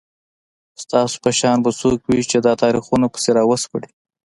ستاسو په شان به څوک وي چي دا تاریخونه پسي راوسپړي